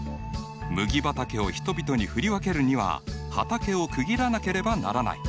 麦畑を人々に振り分けるには畑を区切らなければならない。